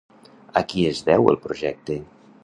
A qui es deu el projecte?